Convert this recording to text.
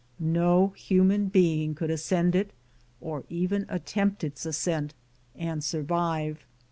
No human being could ascend it or even attempt its ascent, and survive.